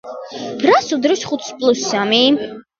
რას უდრის ხუთს პლუს სამი?